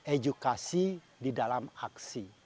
edukasi di dalam aksi